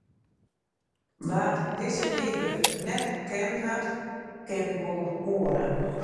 Wa’t dizze Wybe net kennen hat, ken wol in oare.